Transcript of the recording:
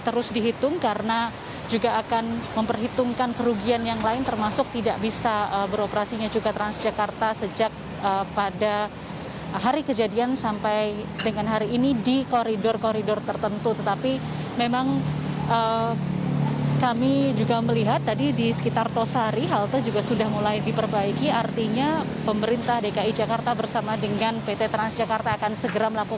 tadi pagi kami melihat ada beberapa truk yang kemudian mengangkut puing puing dan saat ini yang anda bisa melihat di belakang saya halte sedang dibersihkan dengan seksama oleh petugas galau